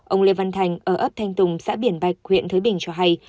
ông lê văn thành ở ấp thanh tùng xã biển bạch huyện thới bình cho hay